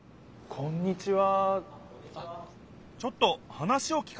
こんにちは。